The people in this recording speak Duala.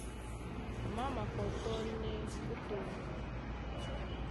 Má makɔtɔ́nɛ́ ó toŋgo.